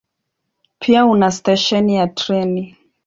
Pia una stesheni ya treni.